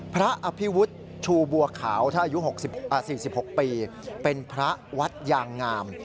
พระอภิวุฒิชูบัวขาวถ้าอายุ๔๖ปีเป็นพระวัดยางงาม